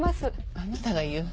あなたが言う？